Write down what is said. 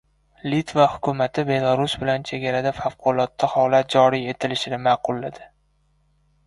Litva hukumati Belarus bilan chegarada favqulodda holat joriy etilishini ma’qulladi